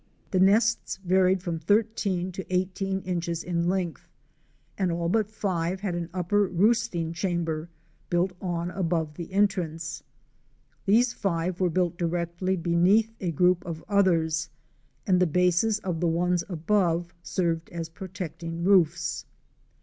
The nests varied from thirteen to eighteen inches in length, and all but five had an upper roosting chamber, built on above the entrance. These five were built directly beneath a group of others, and the bases of the ones above served as protecting roofs.